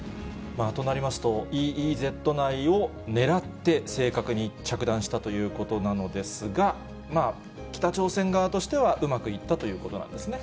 となりますと、ＥＥＺ内を狙って正確に着弾したということなのですが、北朝鮮側としては、うまくいったということなんですね。